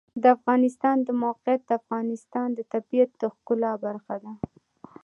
د افغانستان د موقعیت د افغانستان د طبیعت د ښکلا برخه ده.